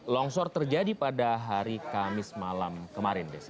longsor terjadi pada hari kamis malam kemarin